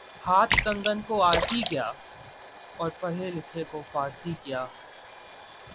ہاتھ کنگن کو آرسی کیا اور پڑھے لکھے کو فارسی کیا